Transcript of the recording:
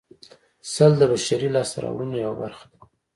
سل د بشري لاسته راوړنو یوه برخه ده